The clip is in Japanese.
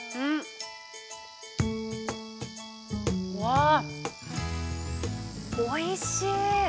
わ、おいしい。